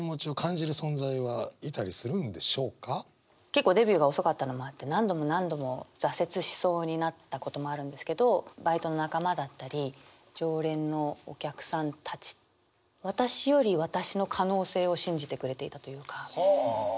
結構デビューが遅かったのもあって何度も何度も挫折しそうになったこともあるんですけど私より私の可能性を信じてくれていたというか。